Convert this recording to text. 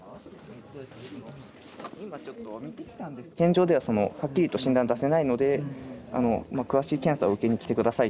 現状でははっきりと診断出せないのでまあ詳しい検査を受けに来て下さいということで。